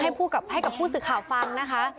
ให้กับผู้สื่อข่าวฟังนะคะ